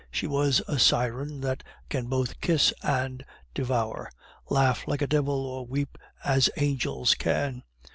She was a siren that can both kiss and devour; laugh like a devil, or weep as angels can.